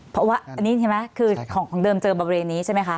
เพราะว่าอันนี้ใช่ไหมคือของเดิมเจอบริเวณนี้ใช่ไหมคะ